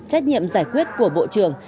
trách nhiệm giải quyết của bộ trưởng